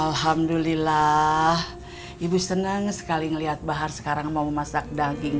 alhamdulillah ibu senang sekali melihat bahar sekarang mau masak daging